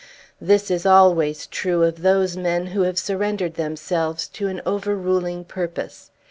This is always true of those men who have surrendered themselves to an overruling purpose.